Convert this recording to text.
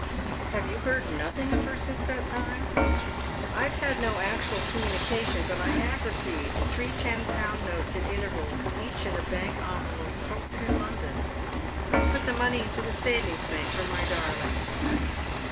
" Have you heard nothing of her since that time ?"" I have had no actual comnmnication. But I have received three ten pound notes at intervals each in a blank envelope, posted in London. I have put the money into the savings bank i'or my darling."